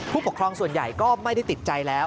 ผู้ปกครองส่วนใหญ่ก็ไม่ได้ติดใจแล้ว